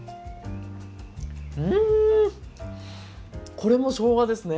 これもしょうがですね。